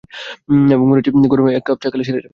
এবং মনে হচ্ছে গরম এক কাপ চা খেলে সেরে যাবে।